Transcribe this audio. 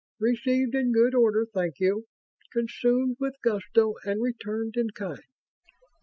"Received in good order, thank you. Consumed with gusto and returned in kind."